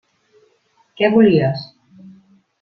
Què volies?